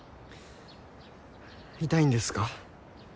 痛いんですか？